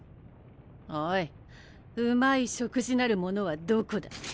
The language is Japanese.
おいうまい食事なるものはどこだ。